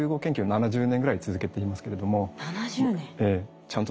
７０年。